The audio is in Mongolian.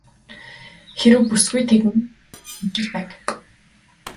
Хэрэв бүсгүй тэгмээр байгаа бол тэгж л байг.